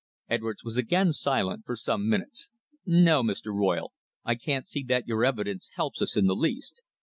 Edwards was again silent for some minutes. "No, Mr. Royle, I can't see that your evidence helps us in the least.